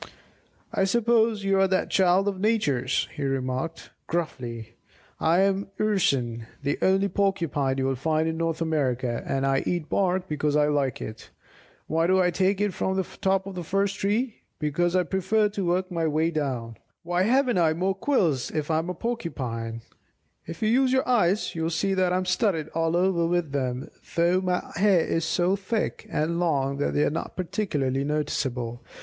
"I suppose you are that child of Nature's," he remarked, gruffly, "I am the Urson, the only Porcupine you'll find in North America, and I eat bark because I like it. Why do I take it from the top of the tree first? Because I prefer to work my way down. Why haven't I more quills if I am a Porcupine? If you use your eyes, you'll see that I am studded all over with them, though my hair is so thick and long that they are not particularly noticeable.